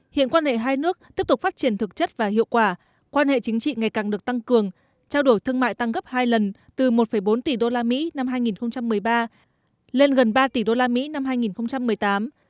hiện quan hệ hai nước tiếp tục phát triển thực chất và hiệu quả quan hệ chính trị ngày càng được tăng cường trao đổi thương mại tăng gấp hai lần từ một bốn tỷ usd năm hai nghìn một mươi ba lên gần ba tỷ usd năm hai nghìn một mươi tám